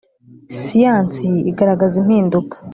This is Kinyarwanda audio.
siyansi igaragaza impinduka